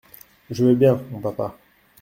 Je veux bien, mon papa.